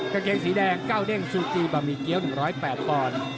กะเกงสีแดงก้าวเน่งซูทีบะหมี่เกี๊ยว๑๐๘พร